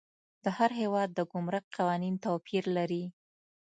د هر هیواد د ګمرک قوانین توپیر لري.